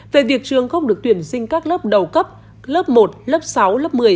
về việc trường không được tuyển sinh các lớp đầu cấp lớp một lớp sáu lớp một mươi